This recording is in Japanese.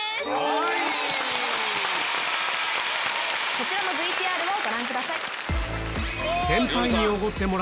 こちらのＶＴＲをご覧ください。